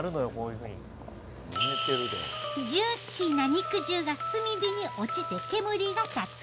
ジューシーな肉汁が炭火に落ちて煙が立つ。